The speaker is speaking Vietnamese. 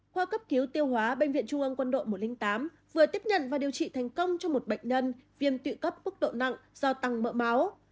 khoa cấp cứu tiêu hóa bệnh viện trung ương quân đội một trăm linh tám vừa tiếp nhận và điều trị thành công cho một bệnh nhân viêm tụy cấp mức độ nặng do tăng mỡ máu